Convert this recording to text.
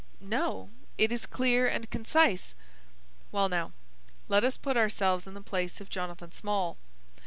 "No: it is clear and concise." "Well, now, let us put ourselves in the place of Jonathan Small.